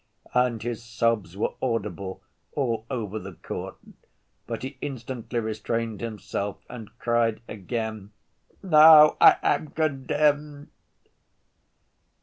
and his sobs were audible all over the court. But he instantly restrained himself, and cried again: "Now I am condemned!"